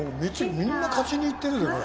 みんな勝ちに行ってるよ。